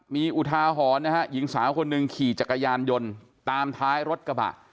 มีอุทาหรณ์นะฮะหญิงสาวคนหนึ่งขี่จักรยานยนต์ตามท้ายรถกระบะ